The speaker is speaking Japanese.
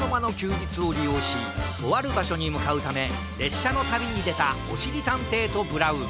じつをりようしとあるばしょにむかうためれっしゃのたびにでたおしりたんていとブラウン。